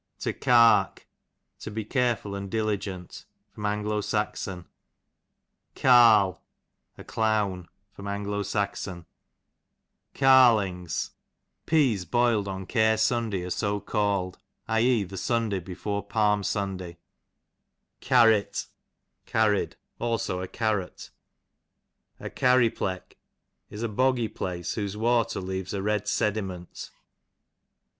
To Cark, to be careful and diligent. A.S. Carl, a clown. A. S. to prate saucily. Carliijgs, peas boiled on Care Sun day are so called, i. e. the Sunday before Palm Sunday. Carrit, carried; also a carrot. A Carry pleck, is a boggy place whose water leaves a red sedi ment.